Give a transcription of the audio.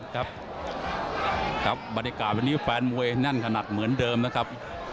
ครับครับบรรยากาศวันนี้แฟนมวยแน่นขนาดเหมือนเดิมนะครับ